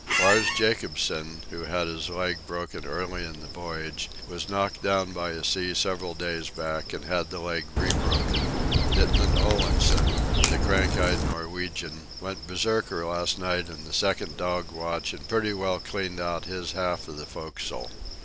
Lars Jacobson, who had his leg broken early in the voyage, was knocked down by a sea several days back and had the leg rebroken. Ditman Olansen, the crank eyed Norwegian, went Berserker last night in the second dog watch and pretty well cleaned out his half of the forecastle.